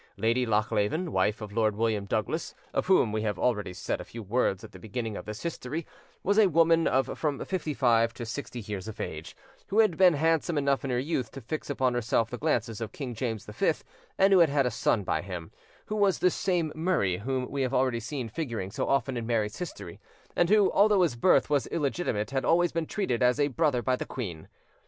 Lady Lochleven, wife of Lord William Douglas, of whom we have already said a few words at the beginning of this history, was a woman of from fifty five to sixty years of age, who had been handsome enough in her youth to fix upon herself the glances of King James V, and who had had a son by him, who was this same Murray whom we have already seen figuring so often in Mary's history, and who, although his birth was illegitimate, had always been treated as a brother by the queen.